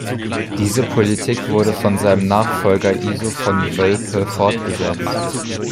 Diese Politik wurde von seinem Nachfolger Iso von Wölpe fortgesetzt.